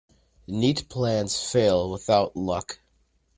Neat plans fail without luck.